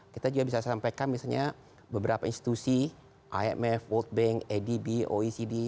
kita juga bisa sampaikan misalnya beberapa institusi imf world bank adb oecd